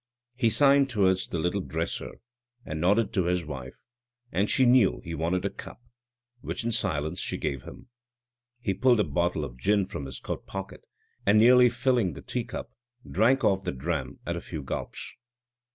He signed towards the little dresser, and nodded to his wife, and she knew he wanted a cup, which in silence she gave him. He pulled a bottle of gin from his coat pocket, and nearly filling the teacup, drank off the dram at a few gulps.